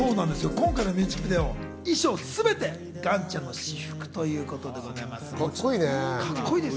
今回のミュージックビデオの衣装、全て岩ちゃんの私服ということです。